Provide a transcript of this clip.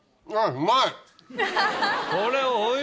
うまい。